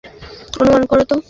অনুমান কর তো।